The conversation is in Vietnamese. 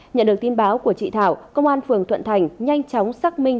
nhận được tin báo của chị thảo công an phường thuận thành nhanh chóng xác minh